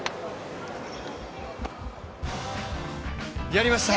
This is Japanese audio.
やりました！